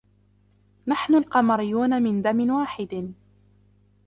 نحن القمريون من دم ٍ واحد،